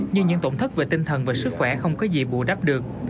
nhưng những tổn thất về tinh thần và sức khỏe không có gì bù đắp được